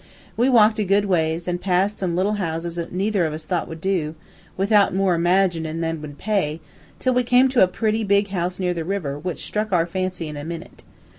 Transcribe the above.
"We walked a good ways, an' passed some little houses that neither of us thought would do, without more imaginin' than would pay, till we came to a pretty big house near the river, which struck our fancy in a minute.